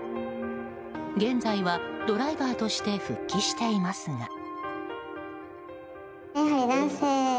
現在はドライバーとして復帰していますが。